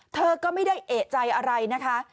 เธอก็ไม่ได้เอกใจอะไรนะคะ